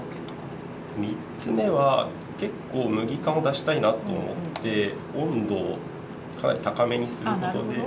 ３つ目は結構麦感を出したいなと思って温度をかなり高めにすることで。